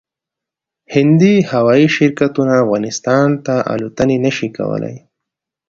هندي هوايي شرکتونه افغانستان ته الوتنې نشي کولای